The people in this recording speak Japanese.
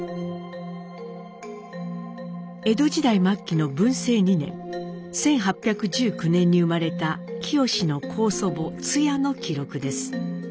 江戸時代末期の文政２年１８１９年に生まれた清の高祖母ツヤの記録です。